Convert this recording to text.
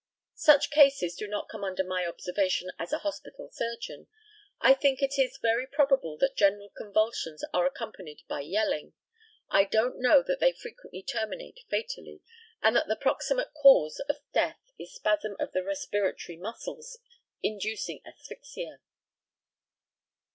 Such cases do not come under my observation as a hospital surgeon. I think it is very probable that general convulsions are accompanied by yelling. I don't know that they frequently terminate fatally, and that the proximate cause of death is spasm of the respiratory muscles, inducing asphyxia.